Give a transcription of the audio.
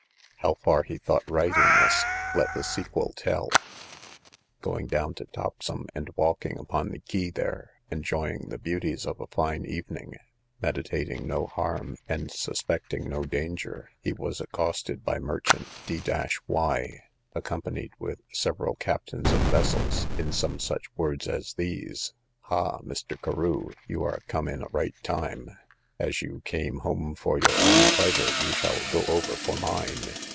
How far he thought right in this, let the sequel tell. Going down to Topsham, and walking upon the quay there, enjoying the beauties of a fine evening, meditating no harm, and suspecting no danger, he was accosted by merchant D y, accompanied with several captains of vessels, in some such words as these: Ha! Mr. Carew, you are come in a right time! As you came home for your own pleasure you shall go over for mine.